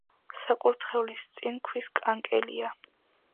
საკურთხევლის წინ ქვის კანკელია.